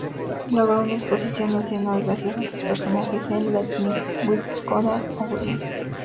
Logró una exposición nacional gracias a sus personajes en "Late Night with Conan O'Brien".